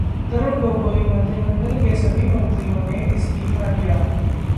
तरुण गोगोई मंत्रिमंडल के सभी मंत्रियों ने इस्तीफा दिया